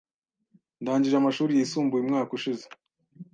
Ndangije amashuri yisumbuye umwaka ushize.